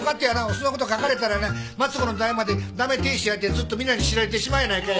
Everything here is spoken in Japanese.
そんなこと書かれたらな末子の代まで駄目亭主やってずっと皆に知られてしまうやないかい。